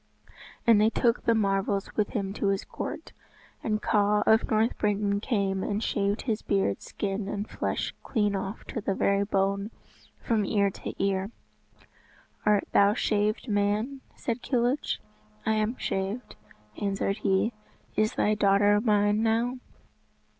And they took the marvels with them to his court. And Kaw of North Britain came and shaved his beard, skin and flesh clean off to the very bone from ear to ear. "Art thou shaved man?" said Kilhuch. "I am shaved," answered he. "Is thy daughter mine now?"